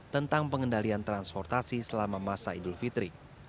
tentang pengendalian transportasi selama masa idul fitri